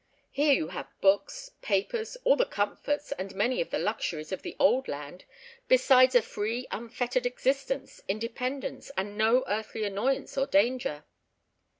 Here you have books, papers, all the comforts and many of the luxuries of the Old Land, besides a free, unfettered existence, independence, and no earthly annoyance or danger."